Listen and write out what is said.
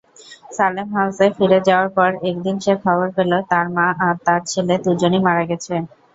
সালেম হাউসে ফিরে যাওয়ার পর একদিন সে খবর পেল, তার মা আর তার ছেলে দু'জনেই মারা গেছে।